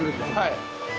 はい。